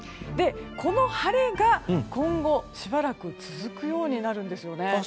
この晴れが、今後しばらく続くようになるんです。